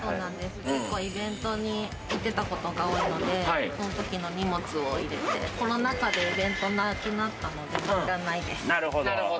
イベントに行ってたことが多いので、その時の荷物を入れてコロナ禍でイベントがなくなったので、もういらないです。